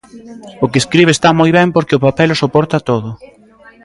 O que escribe está moi ben porque o papel o soporta todo.